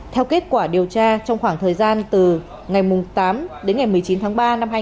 theo kết quả điều tra trong khoảng thời gian từ ngày tám đến ngày một mươi chín tháng ba